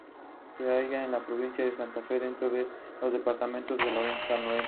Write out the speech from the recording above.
Escribió poesía, cuento, novela y ensayo.